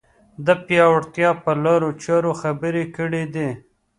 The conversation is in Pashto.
د پیاوړتیا پر لارو چارو خبرې کړې دي